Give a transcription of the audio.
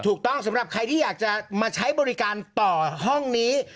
ถูกต้องสำหรับใครที่อยากจะมาใช้บริการต่อห้องนี้